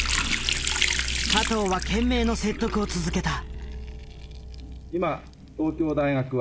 加藤は懸命の説得を続けた。